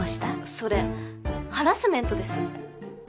それハラスメントです。